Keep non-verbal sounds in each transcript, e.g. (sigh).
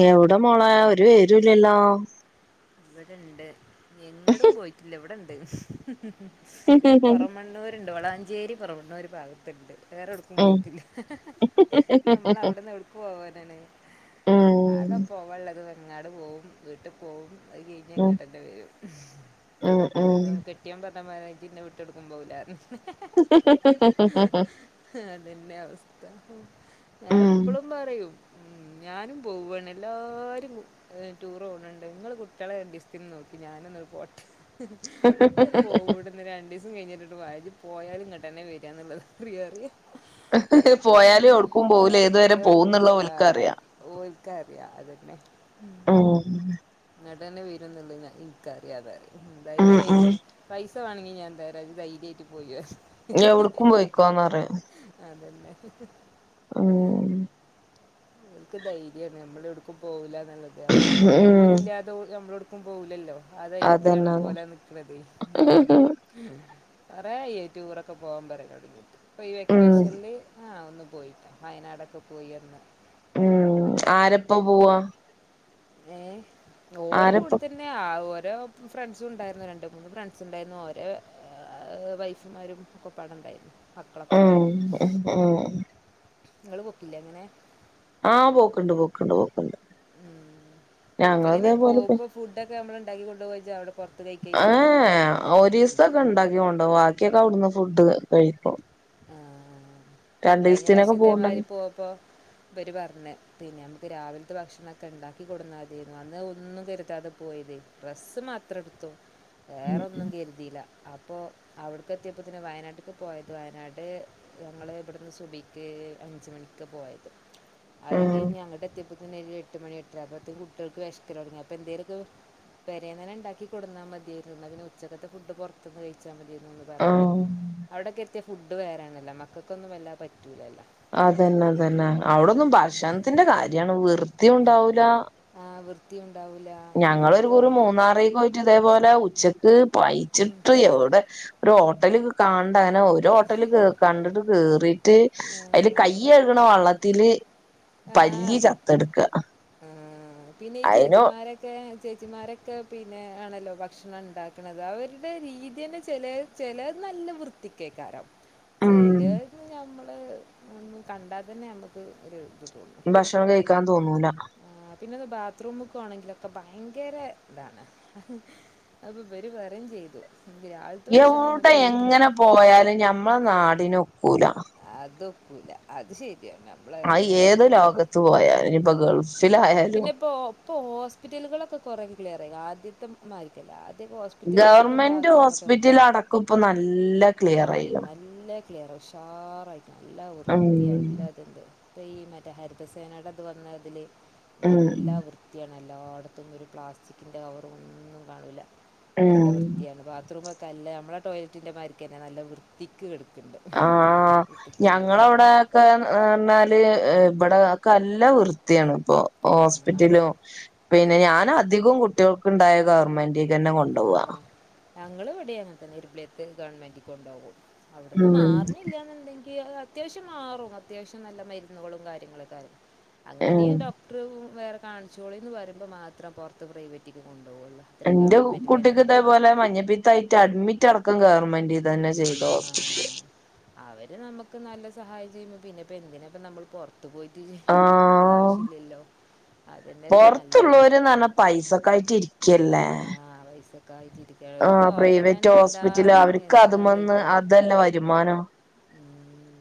യവ്ടെ മോളെ ഒരു വിവരുല്യല്ലോ വട്ണ്ട് എങ്ങടും പോയ്ട്റ്റില്ല ഇവട്ണ്ട്. ഉം ഉം പൊറമണ്ണൂര്ണ്ട് വളാഞ്ചേരി പൊറമണ്ണൂര് ഭാഗത്ത്ണ്ട്. വേറെ എവ്ട്ക്കും പോയ്റ്റില്ല ഞമ്മള് അവ്ട്ന്ന് എവ്ട്ക്കു പോവാനാണ്. ഉം ആകെ പോവാള്ളത് വെങ്ങാട് പോവും വീട്ട്പോവും. പഅഅ് ഉം കഴിഞ്ഞേങ്ങട്ടന്നെ വരും ഹും ഇപ്ട്ന്ന് ഉം കെ അറ്റിയം പറഞ്ഞ് (unintelligible) ഇജജ്ന്നെ വിട്ടെടുക്കും പോവൂലാറ് (unintelligible) ഹ്ഹ്ഹ്ഹ്ഹ ഇക്ക് നല്ലെൽആവസ്ഥ ഞാ ഉം ഇപ്പളും പറയും ഉം ഞാനും പോവാണ്. എല്ലാരും ടൂർ പോണ് ഇണ്ട് ഇങ്ങള് ളെരണ്ടീസത്തിന് നോക്കി ഞാനൊന്ന് പോ ട്ടെ ഇ ജൊന്നു പോവൂല രണ്ടീസം കഴിഞ്ഞിട്ടിണ്ട് വാ ജജ്. പോയാലും ഇങ്ങെട്ടന്നെ വരാന്ന്ള്ളത്റിയാറ. പോയാലും ഒട്ക്കും പോകൂല ഏതരെ പോകൂന്ന്ള്ള ഒൽക്കറിയാ. ഓൽക്കറിയാ അതന്നെ ഉം. ഉം ഇങ്ങതെന്നെ വരുന്ന്ള്ള് ഇൻക്കറിയാന്നറിം ഉം ഉം ധൈര്യായിട്ട്. പൈസ വാണെങ്കി ഞാൻതരാ ഇയ്യ് ധൈര്യായിട്ട് പോയിവാ. യ്യോവ്കും പൊയിക്കോന്നറിം. അതെന്നെ ഉം ഓൽക്ക് ധൈര്യാണ് നമ്മള് യോട്ക്കും പോവൂലന്ന്ള്ളത് നമ്മള് ഓല് ഉം ഓലില്ലാ നമ്മളോട്ക്കും പോവൂലല്ലോ ആ അതന്നെ അതന്നെ ധൈര്യത്തിലാണ്പോലാ നിക്ക്ണത്. കൊറേ ഈ ടൂറൊക്കെ പോവാൻ പറി ഒലോട്. പ്പൊ ഈ ഉം വെക്കേഷൻൽ ആ ഒന്ന് പോയി വയനാടൊക്കെ പോയി വന്ന്. ഉം ആരപ്പം പോവാ? ഏഹ് ഓരെ ആരപ്പ കൂടെത്ത പിന്നെ ആ ഓരെ ഫ്രണ്ട്സും ഉണ്ടായര്ന്നു. രണ്ട് മൂന്ന് ഫ്രണ്ട്സുംണ്ടായ്ന്ന് ഓരെ വൈഫ്മാരും ഒക്കപ്പാടെണ്ടായ്ന്. ഉം മക്കളൊക്കെപ്പാടെ ഉം ഉം ഇങ്ങള് പൂക്കില്ലെ അങ്ങനെ? ആഹ് പോക്ക്ണ്ട് പോക്ക്ണ്ട് പോക്ക്ണ്ട്. ഉം ഞങ്ങള് എങ്ങനെ ഇതേപോലെ പോവ്മ്പോ ഫുഡൊക്കെ നമ്മൾ ഇണ്ടാക്കി കൊണ്ടൊക ജ് അവടെ ഏ എ ഓരീസൊക്കെ ഇണ്ടാക്കികൊണ്ടോവും. വാക്ക്യെക്കെ അവിട്ന്ന് ഫുഡ് കഴിക്കും. ആഹ് കഴിഞ്ഞ രണ്ടീസത്തിനൊക്കെ പ്രാവശ്യം പോവ്ണ്ടെങ്കി ഇതേമായ്രി പോപ്പോ ഇവെര് പർഞ്ഞ്. പിന്നെ അമക്ക് രാവിൽത്തെ ഭക്ഷണൊക്കെ ഇണ്ടാക്കി കൊടുന്നാതേര്ന്ന് അന്ന് ഒന്നും കര്താതെ പോയതെ ഡ്രസ്സ് മാത്ര ഇട്ത്തു. ഉം വേറൊന്നും കെര്തീല. അപ്പോ അവിട്ക്കെ എത്ത്യപ്പോതിന് വയനാട്ട്ക്ക് പോയതുആയ് നാട്ട് ഞമ്മൾ ഇബെട്ന്ന് സുഭ ഇക്ക് അഞ്ച് മണിക്ക് പോയത് അഹ് കഴിഞ് അങ്ങട്ട് എത്ത്യപ്പോത്തിന് ഒര് എട്ട് മണി എട്ടര അപ്പോത്തിനു കുട്ട്യേൾക്ക് വെശ് ക്കൊല്ങ്ങി. അപ്പെ എന്തേലൊക്കെ പെരേന്നെന്നെ ഇണ്ടാക്കി കൊട്ന്നാ മതി. (unintelligible) ഇന്നാഉച്ചകത്തെ ഫുഡ് പൊറ്ത്ത്ന്ന് കഴിച്ചാ മതി (unintelligible) പറ്ണറ്. ഉം അവിടെ ഒക്കെ എത്ത്യ ഫുഡ് വേറേണൊല്ലൊ. മക്കക്കൊന്നും വല്ലാ പറ്റൂലല്ല അതെന്നെ അതന്നെ. ഔടൊന്നും ഭക്ഷണത്തിന്റെ കാര്യാണ്. വൃത്തിയൂ ഉണ്ടാവൂല ആഹ് വൃത്തി ഉണ്ടാവൂല ഞങ്ങളൊരു കുറി മൂന്നാറേക്ക് പോയിട്ട് ഇതേപോലെ ഉച്ചക്ക് പയിച്ചിട്ടു എവിടെ. ഒരു ഹോട്ടല് കാണ്ട അങ്ങനെ ഒരു ഹോട്ടല് കേ കണ്ടിട്ട് കേറി റ്റ് അയ്ല് കയ്യ് എഴുക്ണ വള്ളത്തില് ആഹ് പല്ലി അതു ചത്തെടുക്ക ആഹ് പിന്നെ അയിന് ചേച്ചിമാരെ ക്കെ ചേച്ചിമാരൊക്കെ പിന്നെ ആണല്ലോ ഭക്ഷണം ഉണ്ടാക്ക്ണത്. അവരുടെ രീത്യന്നെ ചെലെ ചെലത് നല്ല വൃത്തി കേക്കാരം ഉം ചെലേത് നമ്മള് ഇന്ന് കണ്ടാൽ തന്നെ നമ്മുക്ക് ഒരു ഭക്ഷണം കഴിക്കാൻ തോന്നൂല ആഹ് പിന്നത് ബാത്റൂമ്ക്കോണെങ്കിലൊക്കെ ഭയങ്കര ഇതാണ് അപ്പ വര പറയും ചെയ്തു എങ്കിൽ അഹ് യൗടെ എങ്ങനെ പോയാലും ഞമ്മളെ നാടിന് ഒക്കൂല അതൊക്കൂല അത് ശരിയാണ് ഞ ആ ഏത് ലോകത്ത് പോയാലു ഇഞ്ഞ് പ്പോ ഗൾഫിൽ ആയ പിന്നെ ഇപ്പോ ഇപ്പ ഹോസ്പിറ്റലുകളൊക്കെ കുറ ക്ലിയർ ആയി ആദ്യത്തെ മാരിക്കല്ല ആദ്യക്കെ ഹോസ് ഗവർമെന്റ് ഹോസ്പിറ്റൽ അടക്കപ്പം നല്ല ആ ക്ലിയർ ആയിക്ക്ണ് നല്ല ക്ലിയർ ഉഷാറയിട്ട നല്ല ഉം വൃത്തി നല്ല ഇതണ്ട് ഇപ്പ ഈ മറ്റേ ഹരിതസേനയുടെ അത് വന്നതിൽ ഉം നല്ല വൃത്തിയാണ് എല്ലായിടത്തും ഒരു പ്ലാസ്റ്റിക്കിൻ്റെ കവറ ഒന്നും കാണില്ല നല്ല ഉം വൃത്തിയാണ് ബാത്റൂമൊക്കെല്ല നമ്മളെ ടോലറ്റിന്റെറെമാർരിക്കന്നെ നല്ല വൃത് തിക്ക് എട്കണ്ടം (unintelligible) ക എന്നാല് ഇവിടെ കല്ല വൃത്തിയാണ് ഇപ്പൊ ആ ആ ഹോസ്പിറ്റലും പിന്നെ ഞാൻ അധികം കുട്ടികൾക്കുണ്ടായ ഗവർമെന്റിൽ തന്നെ കൊണ്ട ആഹ് ഞങ്ങള് എവിടെ അങ്ങ തന്നെ ഇരുപിളിയത്ത് ഗവൺമെന്റ് കൊണ്ടുപോകും അവിടുന്ന് ഉം മാറണില്ലന്നുന്തെങ്കി അത്യാവശ്യം മാറും അത്യാവശ്യം നല്ല മാറും മരുന്നുകളും കാര്യങ്ങളൊക്കാരും അങ്ങനെയും ഉം ഡോക് ടറും വേറെ കാണിച്ചോളി എന്ന് പറയുമ്പോ മാത്രം പുറത്ത് പ്രൈവറ്റേക്ക് കൊണ്ടു പോകള്ളൂ അത്രയും എന്റെ ഗവൺ കുട്ടിക്ക് ഇതേപോലെ മഞ്ഞപ്പീത്തയിട്ട് അഡ്മിറ്റ് അടക്കും ഗവൺമെന്റീ തന്നെ ചെയ്തോ ആഹ് അവര് നമ്മുക്ക് നല്ല സഹായം ചെയ്യുമ്പോ പിന്നെപ്പോ എന്തിനപ്പ നമ്മള് പൊർ ത്ത് പോയിട്ട് ഇതാക്കണ ആഹ് ആവശ്യല്ലല്ലോ അതന്നല്ലേ നല്ലത് പൈസക്കായിറ്റ് ഇരിക്കല്ലേ ആഹ് പൈസക്ക ആയിട്ടിരി ആഹ് പ്രൈവറ്റ് ഹോസ്പിറ്റല് അവർക്ക് എന്താ അതുംമ്മന്ന് റേറ്റ് അതന്നെ വരുമാനം ഉം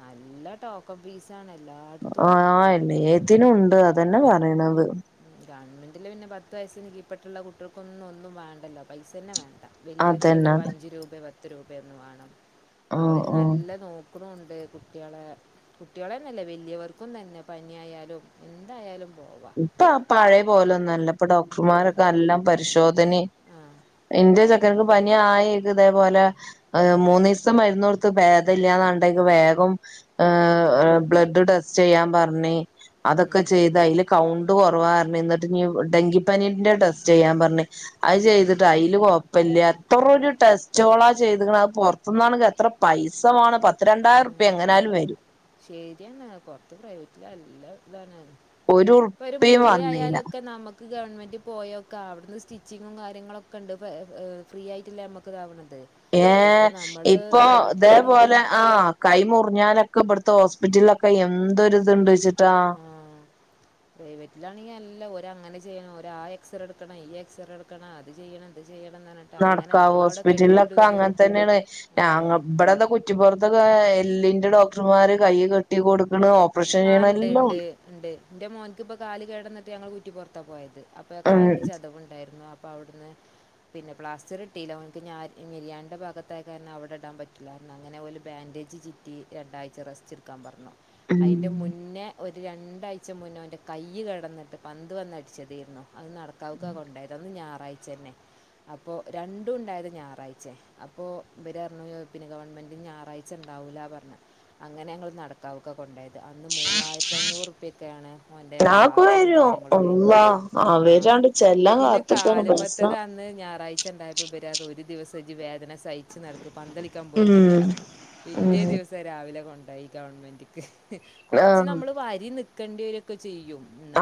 നല്ല ടോക്കൺ പീസാണ് എല്ലാടത്തും ഇപ്പ നല്ല ആഹ് ടോക്കണാ എല്ലേത്തിനും ഉണ്ട് അതന്നെ പറയണത് ഗവണ്മെന്റില് പിന്നെ പത്ത് വയസ്സിനു കീപ്പട്ടുള്ള കുട്ടികക്കൊന്നും ഒന്നും വേണ്ടല്ലോ പൈസ തന്നെ വേണ്ട വലിയൂർക്ക്ല്ല അതന്നെ അതെ അഞ്ചു രൂപ പത്ത് രൂപയൊന്ന് വേണം. ആഹ് അവര് ആഹ് നല്ല നോ ക്കുന്നൂണ്ട് കുട്ടികളെ കുട്ടികളെന്നല്ലേ വലിയവർക്കും തന്നെ പനിയായാലും എന്തായാലും പോവാം ഇപ്പൊ ആ പഴയ പോലൊന്നു അല്ല ഇപ്പൊ ഡോക്ടർമാരൊക്കെ നല്ലാം പരിശോധനേം ആ എന്റെ ചെക്കന്ക്ക് കാര്യങ്ങളൊക്കെ പനി ഉണ്ട് ആ യിക്ക് ഇതേപോലെ മൂന്നീസം മരുന്ന് കൊടുത്ത് ഭേദല്ല്യാനർണ്ടേക്ക് വേഗം ഉം. ഏഹ് ബ്ലഡ് ടെസ്റ്റ് ചെയ്യാൻ പറഞ് അതൊക്കെ ഉം. ചെയ്ത അതില് കൗണ്ട് കുറവാർഞ്ഞ്. എന്നിട്ട് ഇനിയും ഡെങ്കിപ്പനീന്റെ ടെസ്റ്റ് ചെയ്യാൻ പർഞ്ഞ് അത് ചെയ്തിട്ടാതില് കൊഴപ്പില്ല എത്ര ഒരു ടെസ്റ്റോളാ ചെയ്ക്കണ അത് പൊർ ത്തുന്നാണെകിൽ എത്ര പൈസ വാണം. പത്ത് രണ്ടായിരറുപ്പിയ എങ്ങനായാലും വരും ശരിയെന്നാ പൊർത്ത് പ്രൈവറ്റില് നല്ല ഇതാണ് ഇപ്പൊ ഒരു ഉറുപ്പിം മുറി വന്നീല ആയാലൊക്കെ നമക്ക് ക്ക് ഗവൺമെൻറ് പോയോക്കാ. അവിടുന്ന് സ്റ്റിച്ചിങ്ങും കാര്യങ്ങളൊക്കെണ്ട്. പ ഫ്രീ ആയിട്ടല്ലേ നമ്മക്ക് ഇതാവണത് ഇപ്പൊ ഏഹ്. നമ്മള് ഇപ്പൊ പ്രൈവറ്റിലാണെങ്കി ഇതേപോലെ ആഹ് കൈ മുർഞ്ഞാലൊക്കെ ഇബട്ത്തെ ഹോസ്പിറ്റൽലൊക്കെ എന്തൊരിത്ണ്ട്‌ച്ചിട്ടാ പ്രൈവറ്റിലാണെങ്കിൽ അല്ല ഓരങ്ങനെ ചെയ്യണം ഒരാ എക്സറേ എടുക്കണം ഈ എക്സ്റേ എടുക്കണം അത് ചെയ്യണം ഇത് ചെയ്യണം ന്നർഞ്ഞ് നടക്കാവ് ഹോസ്പിറ്റൽലൊക്കെ അങ്ങൻതന്നെണെയ് ഞങ്ങ ആ ഇബടെതാ കുറ്റിപ്പൊർത്ത് താ എല്ലിന്റെ ഡോക്ടർമാര് കൈ കെട്ടി കൊടുക്ണ്. ഓ ആഹ് ണ്ട് ണ്ട് ണ്ട് എന്റെ മോൻക്ക് പ്പൊ കാല് കേടന്നിട്ട് ഞങ്ങള് കുറ്റിപൊർത്താ പോയത് അപ്പോ ഉം കാലിന് ചതവുണ്ടായിര്ന്നു അപ്പോ അവ്ട്ന്ന് പിന്നെ പ്ലാസ്റ്ററ് ഇട്ടീല്ല. ഓൻക്ക് ഞ ഞരിയാണിന്റെ ഭാത്തായത് കാരണം അവടെ ഇടാൻ പറ്റില്ലാ അങ്ങനെ ഓല് ബന്റെജ് ചി റ്റി രണ്ടായ്ച റെസ്റ്റ്ട്കാപറ്ഞ്ഞു ഉം അതിൻ്റെ മുന്നേ ഒര് രണ്ടായ്ച മുന്നേ ഓന്റെ കയ്യ് കേടന്ന്ട്ട് പന്ത് വന്ന് അട്ച്ച തെയ്ന്നു അത് നടക്കാവ്ക്ക കൊണ്ടോയത്. അന്ന് ഞാറായ്ച്ചന്നെ അപ്പൊ രണ്ടുംണ്ടായത് ഞാറായ്ച്ചെ. അപ്പൊ ഇബരർഞ്ഞു പിന്നെ ഗവൺമെന്റിന് ഞാറായ് ച്ച ണ്ടാവൂല പർഞ്ഞ്. അങ്ങനെ ഞങ്ങള് നടക്കാവ്ക്ക കൊണ്ടോയത് അന്ന് മൂവായിരത്തഅഞ്ഞൂറ് ഉറുപ്പ്യറ്റാണ് ഓൻന്റെ ഞാനൊക്കെ പ്ലാസ്റ്ററും വരും കാര്യങ്ങളും കഴിഞ്ഞു അള്ളാ ആഹ്. അവരാണ്ട് ചെല്ലാൻ പിന്നെ കാത്ത്ക്കാണ് പൈസ കാല്മ്മത്തത് അ ന്ന് ഞായറാഴ്ച ണ്ടായപ്പോ ബരത് ഒരു ദിവസ ജ്ജ് വേദന സഹിച്ച് നടക് പന്തളി ക്കാം ഉം പോയിട്ടല്ലെ അർഞ്ഞു. പിറ്റേ ഉം ദിവസം രാവിലെ കൊണ്ടായി ഗവൺമെന്റ്ക്ക്. കൊർച്ച് ആഹ് നമ്മള് വരി നക്കണ്ട്യരും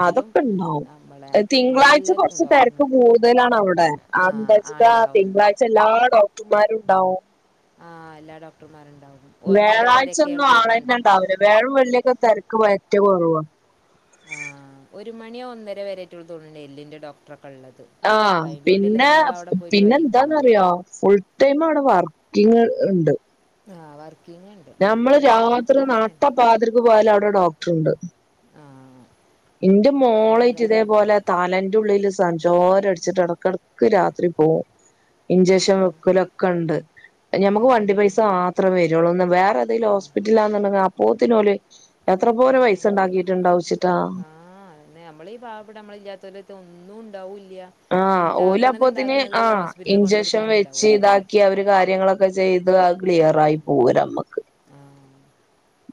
അതൊക്കെ ണ്ടാവും. നമ്മളെ തിങ്കളാഴ്ച നല്ല കൊർച്ച് തെര്ക്ക് ഡോക്ടർ കൂട്തലാണവ്ടെ. ആ അത് ആ എന്താചിട്ട ഇണ്ടാവും. തിങ്കളാഴ്ച എല്ലാ ഡോക്ടർമാരുംണ്ടാവും ആഹ് എല്ലാ ഡോക്ടർമാര്ണ്ടാവും വ്യാഴാഴ്ചൊന്നും ആളന്നെണ്ടാവൂല്ല. വ്യാഴും വെള്ളിഒക്കെ തെര്ക്ക് പറ്റ കൊറവാ ആഹ്. ഒരു മണി ഒന്നര വരേറ്റൊള്ളൂ തോന്ന്ണ്ട്‌ എല്ലിൻന്റെ ഡോക്ടർ ഒക്കെള്ളത്. ആഹ് പിന്നെ പിന്നെ വരിക്കണം. എന്താന്നറ്യോ ഫുൾ ടൈമ് അവ്ടെ വർക്കിങ് ഇണ്ട് ആഹ് വർക്കിങ്ങ് ണ്ട് ഞമ്മള് രാത്രി നാട്ട പാതിരക്ക് പോയാലും അവ്ടെ ഡോക്ടറുണ്ട് ആ ഇന്റെ മോളെറ്റ് നല്ലതാണ്. ഇതേപോലെ തലന്റുള്ളില് സൻഞ്ചോരട്ച്ചിട്ട് എടക്കടക്ക് രാത്രി പോവും ആ ഇൻജെഷൻ വെക്കലൊക്കെണ്ട്. അത് ഞമക്ക് വണ്ടി ശരി. പൈസ മാ ത്രം വെരൊള്ളൂ. ഒന്ന് ആ വേറെന്തെങ്കിലും ഹോസ്പറ്റിലാന്നുണ്ടെങ്കേ അപ്പോത്തിന് ഓല് എത്ര പോരെ പൈസ ണ്ടാക്കീറ്റ്ണ്ടാവുംച്ചിട്ടാ ആഹ് അതന്നെ. നമ്മളീ പാവപ്പെട്ട നമ്മള് ഇല്ല്യതോലെട്ത്ത് ഒന്നും ഉണ്ടാവൂല്യ ആഹ് ഓലപ്പോത്തിന് ആഹ് ഇഞ്ചഷൻ കൊണ്ടൊടുക്കാനേ വെച്ച് ഉണ്ടാവുള്ളൂ. ഇതാക് കി അവര് കാര്യങ്ങളൊക്കെ ചെയ്ത് അത് ക്ലിയറായി പോരമ്മക്ക്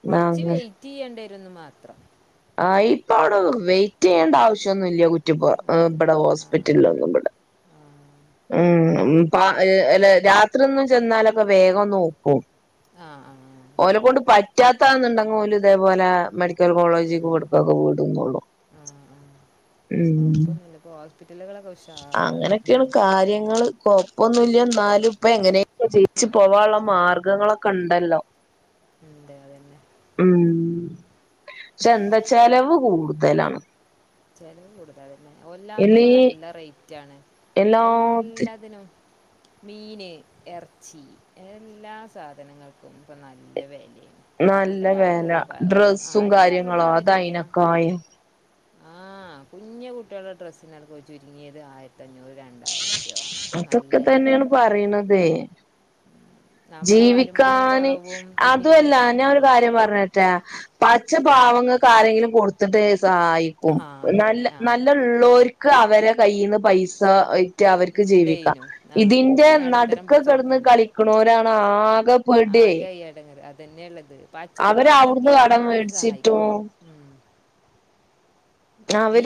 കൊർച്ച് വൈറ്റെയ്യേണ്ടെരുംന്ന് മാത്രം ആഹ് ഇപ്പൊ അവ്ടെ വെയിറ്റെയ്യേണ്ട ആവശ്യംന്നുംല്ല. കുറ്റിപൊറ ആ ഇബടെ ആ ഹോസ്പിറ്റൽലൊന്നും ഇബടെ ആ ഉം ഉം. പ അല്ല രാത്രി ഒന്നും ചെന്നാലൊക്കെ വേഗംന്നോക്കും ആഹ് ആഹ് ഓലെക്കൊണ്ട് പറ്റാത്താന്ന്ണ്ടെങ്ങെ ഓല് ഇതേപോലെ മെഡി ഡിക്കൽ ഉം. കോളേജ്ക്കും വട്ക്കൊക്കെ വിടുന്നൊള്ളു ആ ആ ഉം കുഴപ്പമൊന്നുമില്ല ഇപ്പോൾ ഹോസ്പിറ്റലുകളൊക്കെ ഉഷാറാണ് അങ്ങനൊക്കേണ് കാര്യങ്ങള് ഉം. കൊഴപ്പൊന്നുല്യ ന്നാലും പ്പ എങ്ങനേലൊക്കേ ജീവിച്ചു പോവാള്ള മാർഗങ്ങളൊക്കെണ്ടല്ലോ ഇണ്ട് അതന്നെ ഉം.. ശ്ശെ ന്താ ചെലവ് കൂടുതലാണ് ചെലവ് കൂടുതലെന്നെ ഇല്ല ഒല്ലാത്തിനും നല്ല റെയ്റ്റാണ് എൽ എല്ലാത്തി ല്ലതിനും മീന്, എർച്ചി എല്ലാ സാധനങ്ങൾക്കും ഇപ്പം നല്ല വെലേണ് നല്ല പറഞ്ഞിട്ട് ക വെല ഓ പ ഒ ആരേം പറഞ്ഞിട്ട് കാര്യല്ല്യ ആയിം ആഹ് കുഞ്ഞകുട്ട്യളെ ഡ്രസ്സിനാണം പ്പൊ ചുരുങ്ങിയത് ആയിരത്തഞ്ഞൂറ് രണ്ടായിർപ്യാ വാണം നല്ലെ കിട്ടണംന്ന്ണ്ടെങ്ങി ദേ വരുമാനം ജീവിക്കാന് കുറവും അതൊല്ല പിന്നെ ഞാൻ ഇത് ഒരു കുറവും കാര്യം പറഞ്ഞരട്ടെ പച്ച പാവങ്ങൾക്ക് ആരെങ്കിലും കൊടുത്തിട്ട് സഹായിക്കും ആ നല്ല അതന്നെ ആ നല്ല ള്ളോര് ക്കവരെ കയ്യിന്ന് പൈസ ഒ റ്റ് അവര്ക്ക് ജീവിക്ക. ഉണ്ടേനു ആ ഇതിന്റെ ഈ നടുത്തരം നട്ക്കെ പിടിച്ചു കെട്ന്ന് നിൽക്കാണ് കളിക്ക്‌ ണോരാണ് ആകെ പെടെയ് യെടങ്ങേറ് അതെന്യള്ളത് പച്ച പാവങ്ങൾക്ക് അവിടുന്ന് കടം യാരിം സഹായിക്ക്‌ മേടിച്ചിട്ടും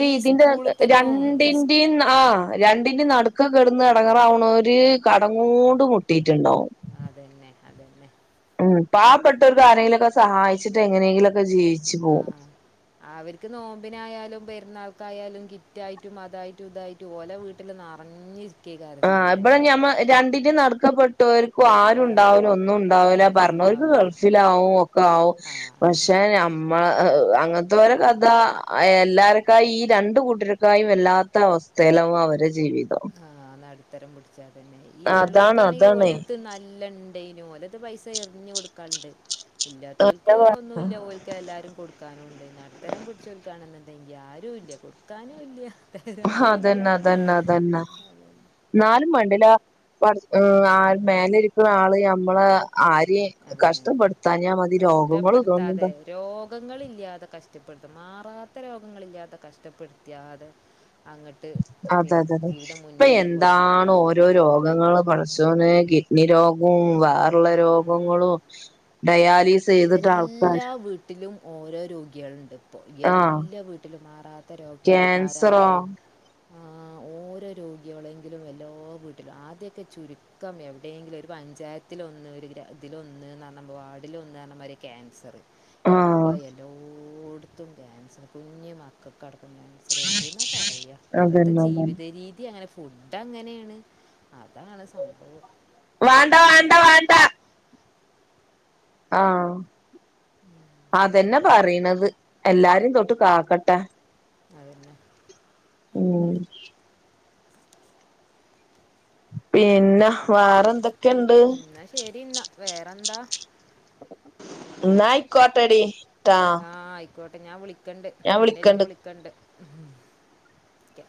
ഈ ഇതിന്റെ സ്കൂളത്തതും ഇസ്- രണ്ടിന്റെയും നാ ആഹ് രണ്ടിന്റിം നടുക്കെ കെടന്ന് എടങ്ങറാവ്ണോര് കടങ്ങോണ്ട് മുട്ടിറ്റ്ണ്ടാവും അതെന്നെ അതന്നെ ഉം, പാവപ്പെട്ടോർക്ക് ആരെലൊക്കെ സഹായിച്ചിട്ട് എങ്ങനെയെങ്കിലൊക്കെ ജീവിച്ച് പോവും അവര്ക്ക് നോമ്പിനായാലും പെര്ന്നാൾക്കായാലും കിറ്റായിറ്റും അതായിറ്റും ഇതായി ത് ഓലെ വീട്ട്ല് നറഞ്ഞ് ആഹ് ബടെഞമ്മ രണ്ടിന്റേം നടക്ക് പെ ർക്കും ആ ആരുണ്ടാവൂല ഒന്നുണ്ടാവൂല ഒന്നും പറയുന്നോർക്ക് ഉണ്ടാവൂല ഗൾഫിലാവും ഒക്കാവും ആ പഷ് എഹെ ഞമ്മ അഹ് അങ്ങത്തോരെ കഥ അഹ് എല്ലാരെക്കായ് ഈ രണ്ട് കൂട്ടരേക്കായ് വെല്ലാ ത്തവസ്ഥേലാവോ അവരെ ജീവിതം ആഹ് നടുതരം പുടിച്ചാതന്നെ ഈ അതാണ് ള്ളോൽക്കാണി അതാണ് ഓലെട്ത്ത് നല്ലൺ ണ്ടേയ്നു ഓലെട്ത്ത് പൈസ എറിഞ്ഞുകൊടുക്കാണ്ട് ഇല്ലാത്തോ ൽക്ക് ഒന്നൂല്ല ഓൽക്ക് എല്ലാരും കൊടു ക്കാനുണ്ട് നടുത്തരം പിടിച്ചോർ കാണുന്നുണ്ടെങ്കിൽ ആരൂല്യ കൊടുക്കാനുല്യാ (unintelligible) ന്നാലും മേണ്ടില പട ഉം. ആഹ് മേലേ ഇരിക്കുന്ന ആള് നമ്മളെ ആരേം അതന്നെ കഷ്ടപ്പെടുത്താഞ്ഞാ മതി രോഗങ്ങളും ഇതൊന്നും ത രോഗങ്ങളില്യാതെ കഷ്ടപ്പെടുത്ത മാറാത്ത രോഗങ്ങളില്ലാതെ കഷ്ടപ്പെടുത്തിയാതെ അങ്ങട്ട് അതതെ മതി ഇപ്പെയെന്താണ് ഓരോ മക്കൾക്കായാലും രോഗങ്ങള് ചോനെ കിഡ്നി രോഗും വേറള്ള രോഗങ്ങളും ഡയാ എല്ലാ വീട്ടിലും ഓരോ രോഗ്യള്ണ്ട് ആഹ് എല്ലാ വീട്ടിലും മാറാത്ത ക്യാൻസറോ രോഗകാരായിട്ട് (inaudible) ഓരോ രോഗ്യളെങ്കിലും എല്ലാ വീട്ടിലും ആദ്യക്കെ ചുരു ക്ക യെവിടെയെങ്കിലും ഒരു പഞ്ചായത്തിലൊന്ന് ല ഒരുതിലൊന്ന് ഒരുവാർഡിലൊന്ന്- മാരി ക്യാൻസറ് ഇപ്പ ആഹ് എല്ലോ ഓട്ത്തും ക്യാൻസ്റ് കുഞ്ഞി മക്കക്കടക്കം എന്ത്ന്നാ പറയ ഇപ്പത്തെ അതന്നെ അതന്നെ ജീവിത രീതിയങ്ങനെ ഫുഡ്ഡങ്ങനെയാണ് അതാണ് സംഭവം വാണ്ട ഒന്നും വാണ്ട പറയാൻ വാണ്ട പറ്റില്ല ആഹ് അതെന്ന പറയിണത് എല്ലാരും തൊട്ട് കാക്കട്ടെ അതന്നെ ഉം പിന്ന വേറെന്ത- ഇന്ന ശരിന്നാ വേറന്താ എന്നായ്ക്കോട്ടെടി ആഹ് ആയിക്കോട്ടെ ഞാൻ വിളിക്കണ്ട് പിന്നെ ഒരിക്ക വിളിക്കണ്ട് ഓക്കെ